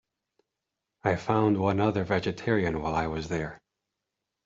I found one other vegetarian while I was there.